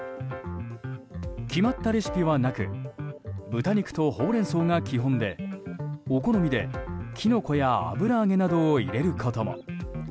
決まったレシピはなく豚肉とホウレンソウが基本でお好みで、キノコや油揚げなどを入れることも。